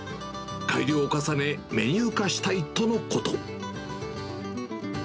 改良を重ね、メニュー化したいとのこと。